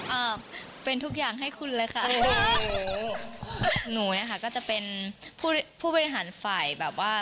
อ่าเป็นทุกอย่างให้คุณเลยค่ะหนูเนี้ยค่ะก็จะเป็นผู้ผู้บริหารฝ่ายแบบว่า